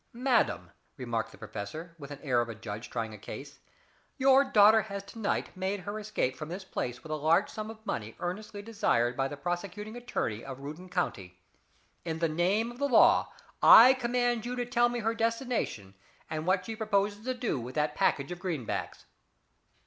"Madam," remarked the professor, with the air of a judge trying a case, "your daughter has to night made her escape from this place with a large sum of money earnestly desired by the prosecuting attorney of Reuton county. In the name of the law, I command you to tell me her destination, and what she proposes to do with that package of greenbacks."